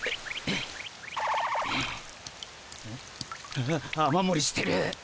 ああっ雨もりしてる。